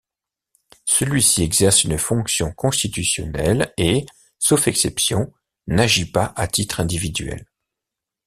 Celui-ci exerce une fonction constitutionnelle et, sauf exceptions, n'agit pas à titre individuel.